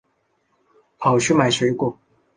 跑去买水果